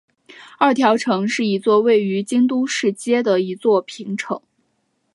二条城是一座位于京都市街的一座平城。